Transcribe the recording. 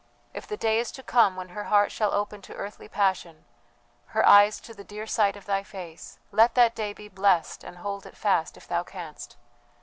If the day is to come when her heart shall open to earthly passion, her eyes to the dear sight of thy face, let that day be blessed and hold it fast if thou canst.